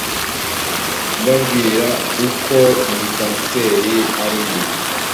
mbabwira uko iyi kanseri ari mbi